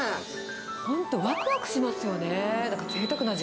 本当、わくわくしますよね。